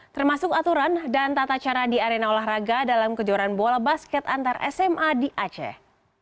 termasuk aturan dan tata cara di arena olahraga dalam kejuaraan bola basket antar sma di aceh